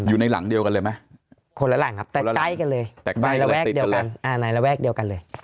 อยู่ในหลังเดียวกันเลยไหมคนละหลังครับแตกใกล้กันเลยในระแวกเดียวกันเลย